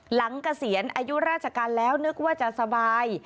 เกษียณอายุราชการแล้วนึกว่าจะสบาย